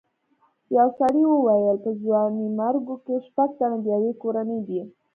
یو سړي وویل په ځوانیمرګو کې شپږ تنه د یوې کورنۍ دي.